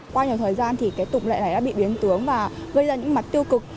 qua nhiều thời gian thì cái tục lệ này đã bị biến tướng và gây ra những mặt tiêu cực